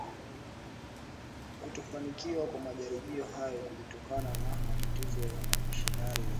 Kutofanikiwa kwa majaribio hayo kulitokana na matatizo ya wamisionari Wazungu katika hali ya hewa